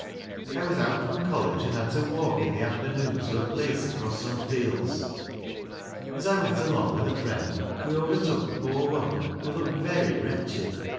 I was out from college, and had ;to walk in the afternoon to a place across some fields. As I went along with a friend we overtook a poor woman who looked very wretched.